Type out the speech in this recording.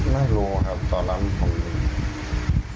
ไม่รู้ครับตอนเมื่อกี้